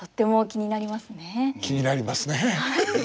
気になりますね。